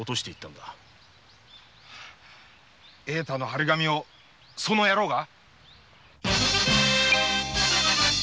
栄太の貼り紙をその野郎が！